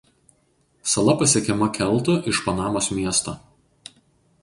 Sala pasiekiama keltu iš Panamos miesto.